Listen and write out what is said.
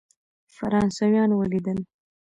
فرانسویان ولیدل.